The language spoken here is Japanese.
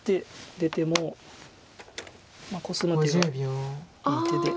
出てもコスむ手がいい手で。